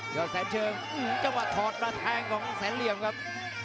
ยอดแสนเชิงก็มาถอดมาแทงของแสนเลี่ยมครับ